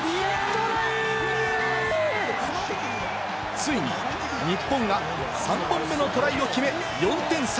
ついに日本が３本目のトライを決め、４点差。